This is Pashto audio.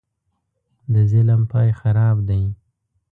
د ظلم پاى خراب دى.